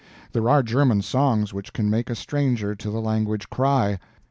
There are German songs which can make a stranger to the language cry.